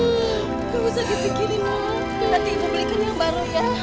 tidak usah dipikirin nanti ibu belikan yang baru ya